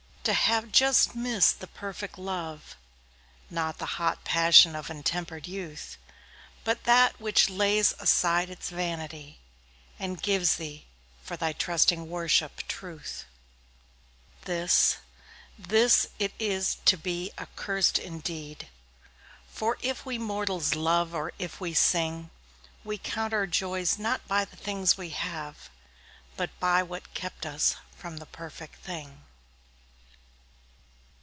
To have just missed the perfect love, Not the hot passion of untempered youth, But that which lays aside its vanity And gives thee, for thy trusting worship, truth— This, this it is to be accursed indeed; For if we mortals love, or if we sing, We count our joys not by the things we have, But by what kept us from the perfect thing.